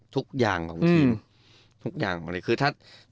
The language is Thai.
ทุกอย่างของทีม